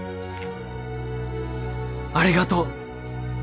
ありがとう。